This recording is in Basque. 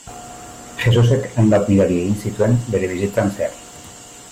Jesusek hainbat mirari egin zituen bere bizitzan zehar.